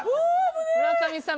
村上さん